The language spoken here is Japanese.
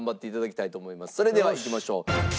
それではいきましょう。